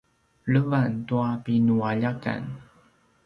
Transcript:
levan tua pinualjakan